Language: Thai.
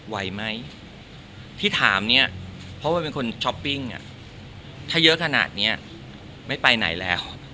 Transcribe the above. ไหวไหมที่ถามเนี่ยเพราะว่าเป็นคนช้อปปิ้งถ้าเยอะขนาดนี้ไม่ไปไหนแล้ว